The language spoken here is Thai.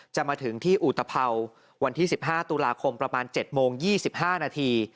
จะมาถึงที่อุตภัวร์วันที่๑๕ตุลาคมประมาณ๗โมง๒๕นาที